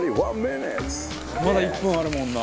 「まだ１分あるもんな」